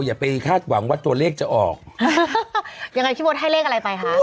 อย่าไปคาดหวังว่าตัวเลขจะออกยังไงพี่มดให้เลขอะไรไปคะ